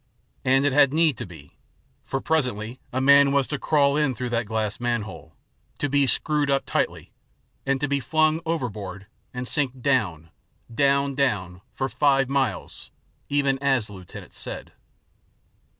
And it had need to be, for presently a man was to crawl in through that glass manhole, to be screwed up tightly, and to be flung overboard, and to sink down down down, for five miles, even as the lieutenant said.